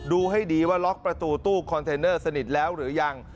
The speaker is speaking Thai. ดูให้ดีว่าล็อกประตูตู้คอนเทนเนอร์สนิทแล้วหรือยัง